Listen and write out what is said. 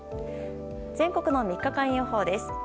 全国の３日間予報です。